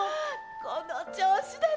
この調子だね！